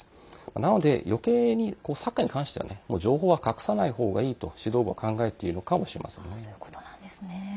なので、よけいにサッカーに関しては情報は隠さない方がいいと指導部は考えているのかもしれませんね。